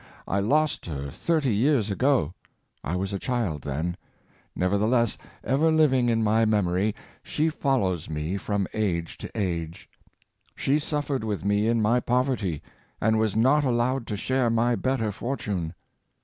I lost her thirty years ago (I was a child then) — nevertheless, ever living in my memory, she follows me from age to age. " She suffered with me in my poverty, and was not allowed to share my better fortune.